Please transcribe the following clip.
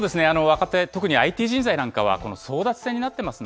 若手、特にＩＴ人材なんかは争奪戦になってます